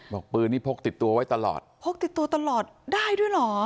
บอกปืนนี้พกติดตัวไว้ตลอดพกติดตัวตลอดได้ด้วยเหรอ